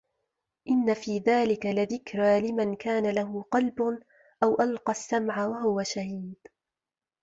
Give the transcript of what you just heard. إِنَّ في ذلِكَ لَذِكرى لِمَن كانَ لَهُ قَلبٌ أَو أَلقَى السَّمعَ وَهُوَ شَهيدٌ